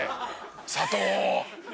佐藤！